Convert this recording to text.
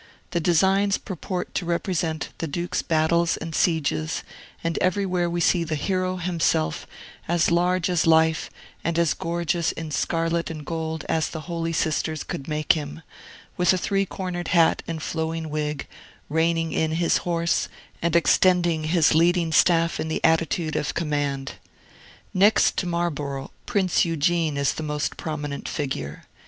The designs purport to represent the Duke's battles and sieges; and everywhere we see the hero himself, as large as life, and as gorgeous in scarlet and gold as the holy sisters could make him, with a three cornered hat and flowing wig, reining in his horse, and extending his leading staff in the attitude of command. Next to Marlborough, Prince Eugene is the most prominent figure.